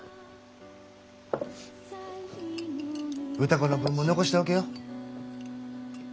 歌子の分も残しておけよ。